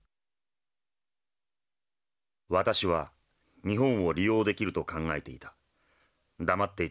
「私は日本を利用できると考えていた。